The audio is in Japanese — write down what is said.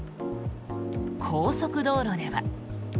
高速道路では。